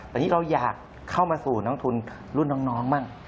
แต่ที่เราอยากเข้ามาสู่น้องทุนรุ่นน้องบ้าง